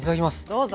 どうぞ。